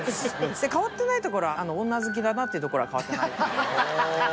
変わってないところは女好きだなっていうところは変わってない。